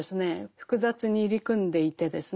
複雑に入り組んでいてですね